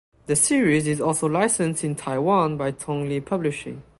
The series is also licensed in Taiwan by Tong Li Publishing.